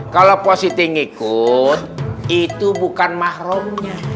kalau pak siti ngikut itu bukan mahrumnya